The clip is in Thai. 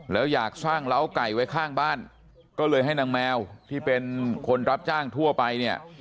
แล้วอยากสร้างเล้าไก่ไว้ข้างบ้านก็เลยให้นางแมวที่เป็นคนรับจ้างทั่วไปเนี่ย